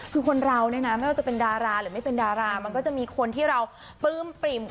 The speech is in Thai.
คือคนเราเนี่ยนะไม่ว่าจะเป็นดาราหรือไม่เป็นดารามันก็จะมีคนที่เราปลื้มปริ่ม